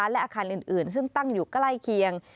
และอาคารอื่นซึ่งตั้งอยู่ใกล้เคียง